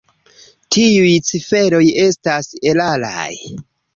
Tiuj ciferoj estas eraraj.